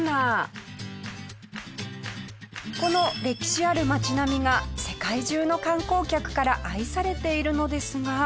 この歴史ある街並みが世界中の観光客から愛されているのですが。